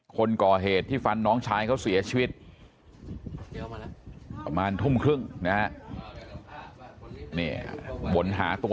คนก่อเหตุที่ฟันน้องชายเขาเสียชีวิตประมาณทุ่มครึ่งนะฮะนี่วนหาตัว